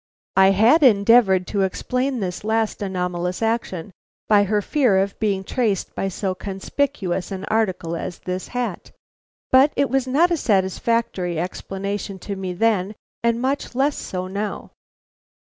I had endeavored to explain this last anomalous action by her fear of being traced by so conspicuous an article as this hat; but it was not a satisfactory explanation to me then and much less so now.